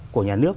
của nhà nước